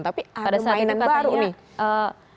tapi ada stainment baru nih